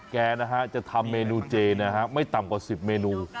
แกจะทำเมนูเจนี่นะครับไม่ต่ำกว่า๑๐เมนู